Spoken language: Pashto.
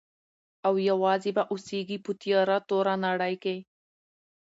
او یوازي به اوسیږي په تیاره توره نړۍ کي.